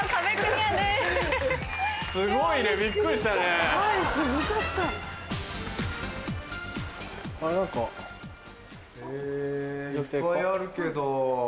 ・へぇいっぱいあるけど・